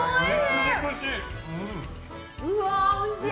うわーおいしい！